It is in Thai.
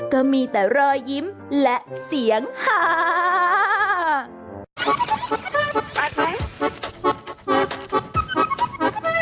ก็มีแต่รอยยิ้มและเสียงนี้นะครับ